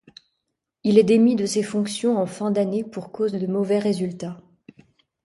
Il est démis de ses fonctions en fin d'année pour cause de mauvais résultats.